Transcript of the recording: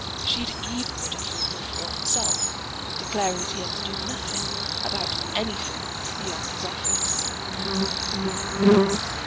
She had even ridiculed Lord Fawn himself, declaring that he understood nothing about anything beyond his office.